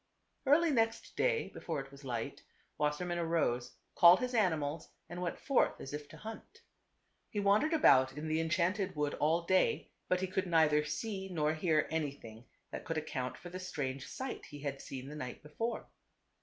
Early next day before it was light, Wasser mann arose, called his animals and went forth as if to hunt. He wandered about in the enchanted wood all day, but he could neither see nor hear anything that could account for the strange sight he had seen the night before.